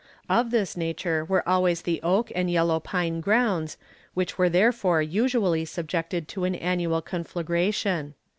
Of this nature were always the oak and yellow pine grounds, which were therefore usually subjected to an annual conflagration.